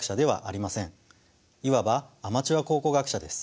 いわばアマチュア考古学者です。